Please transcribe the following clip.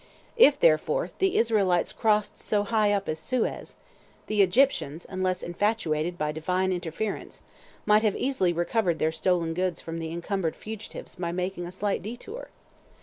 If, therefore, the Israelites crossed so high up as Suez, the Egyptians, unless infatuated by Divine interference, might easily have recovered their stolen goods from the encumbered fugitives by making a slight detour.